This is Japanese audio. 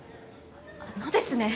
あのですね。